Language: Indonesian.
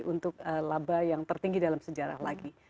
untuk laba yang tertinggi dalam sejarah lagi